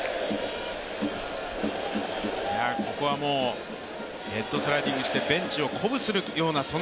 ここはヘッドスライディングしてベンチを鼓舞するような。